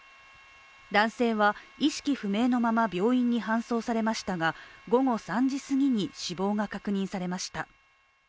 男性は、意識不明のまま病院に搬送されましたが午後３時すぎに死亡が確認されました。